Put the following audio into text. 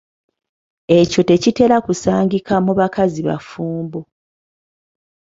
Ekyo tekitera kusangika mu bakazi bafumbo.